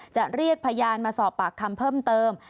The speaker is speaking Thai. จะเรียกพยานมาสอบปากคำเพิ่มเติม